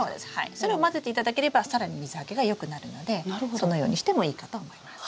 それを混ぜていただければ更に水はけがよくなるのでそのようにしてもいいかと思います。